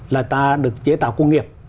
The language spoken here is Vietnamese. là ta được chế tạo công nghiệp